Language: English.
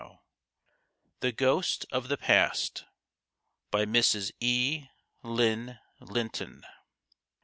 THE GHOST OF THE PAST. BY MRS. E. LYNN LINTON.